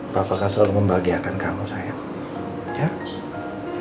papah akan selalu membagiakan kamu sayang